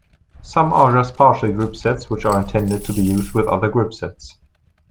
Some are just partial groupsets which are intended to be used with other groupsets.